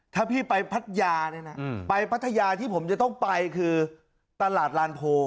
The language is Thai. ถ้าพี่ไปพัทยาเนี่ยนะไปพัทยาที่ผมจะต้องไปคือตลาดลานโพ